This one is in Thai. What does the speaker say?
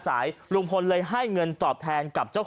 ท่านพรุ่งนี้ไม่แน่ครับ